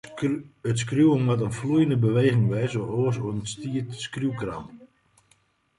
It skriuwen moat ien floeiende beweging wêze, oars ûntstiet skriuwkramp.